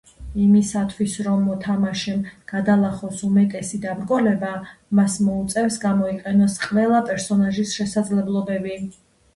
იმისათვის, რომ მოთამაშემ გადალახოს უმეტესი დაბრკოლება, მას მოუწევს გამოიყენოს ყველა პერსონაჟის შესაძლებლობები.